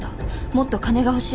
もっと金が欲しい。